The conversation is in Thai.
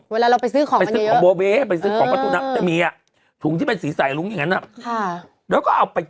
เวลาเราซื้อของจะเยอะ